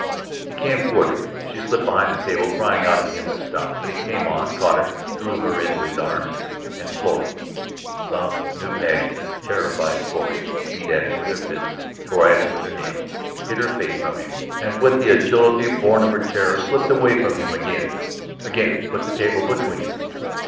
He came toward her; she slipped behind the table, crying out to him to stop. But he came on, caught her, drew her into his arms. And Florrie, some new passionate, terrified Florrie, beat at him with her fists, tore at him with her nails, hid her face from him, and with the agility born of her terror slipped away from him again, again put the table between them.